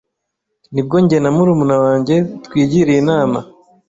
nibwo njye na murumuna wanjye twigiriye inama